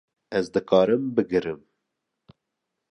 Ez dikarim bigirim